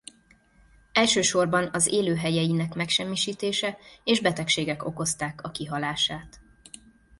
Elsősorban az élőhelyeinek megsemmisítése és betegségek okozták a kihalását.